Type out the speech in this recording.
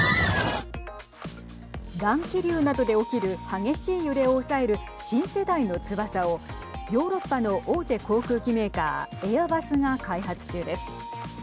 乱気流などで起きる激しい揺れを抑える新世代の翼をヨーロッパの大手航空機メーカーエアバスが開発中です。